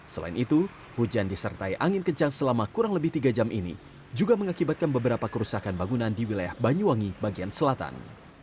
selain itu hujan disertai angin kencang selama kurang lebih tiga jam ini juga mengakibatkan beberapa kerusakan bangunan di wilayah banyuwangi bagian selatan